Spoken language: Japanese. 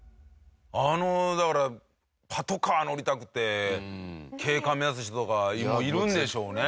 あのだからパトカー乗りたくて警官目指す人とかいるんでしょうね。